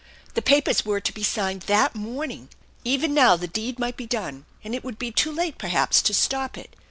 The papers were to be signed that morning! Even now the deed might be done and it would be too late, perhaps, to stop it.